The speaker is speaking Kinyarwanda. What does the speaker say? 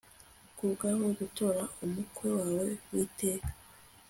Kubwawe gutora umukwe wawe witeka